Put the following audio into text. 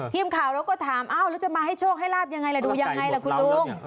ทีมข่าวเราก็ถามแล้วจะมาให้โชคให้ลาบยังไงล่ะดูยังไงล่ะคุณลุง